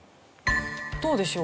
どうでしょう？